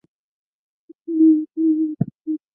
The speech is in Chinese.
首府位于塞维利亚。